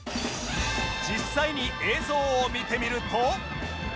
実際に映像を見てみると